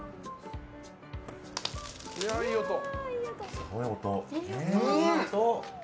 すごい音。